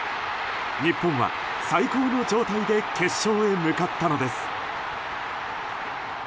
日本は最高の状態で決勝へ向かったのです。